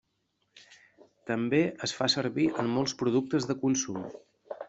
També es fa servir en molts productes de consum.